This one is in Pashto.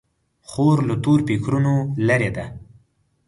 خور له تور فکرونو لیرې ده.